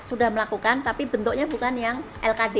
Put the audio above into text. sudah melakukan tapi bentuknya bukan yang lkd